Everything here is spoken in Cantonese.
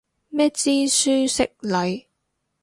咩知書識禮